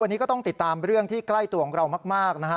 วันนี้ก็ต้องติดตามเรื่องที่ใกล้ตัวของเรามากนะฮะ